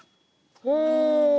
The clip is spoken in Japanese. ほう。